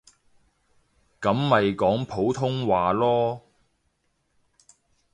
噉咪講普通話囉